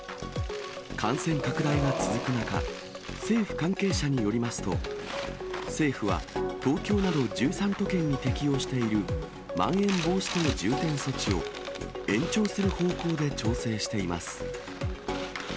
感染拡大が続く中、政府関係者によりますと、政府は、東京など１３都県に適用しているまん延防止等重点措置を、延長する方向で調整しています。